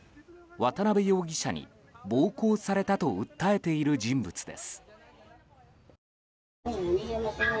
渡邉容疑者に暴行されたと訴えている人物です。